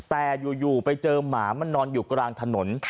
แต่อยู่ไปเจอหมามันนอนอยู่กลางถนน